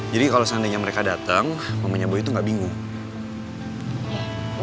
jadi kalo seandainya mereka dateng mamenya boy tuh gak bingung